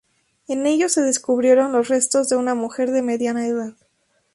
En ellos se descubrieron los restos de una mujer de mediana edad.